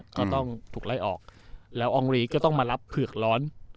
ก็ต้องถูกไล่ออกแล้วอองรีก็ต้องมารับเผือกร้อน